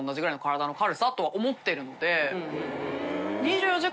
弔箸思ってるので。